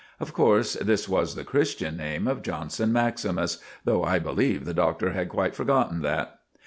Of course this was the Christian name of Johnson maximus, though I believe the Doctor had quite forgotten that.